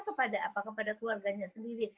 kepada apa kepada keluarganya sendiri